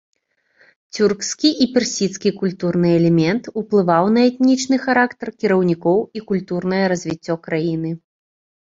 Цюркскі і персідскі культурны элемент уплываў на этнічны характар кіраўнікоў і культурнае развіццё краіны.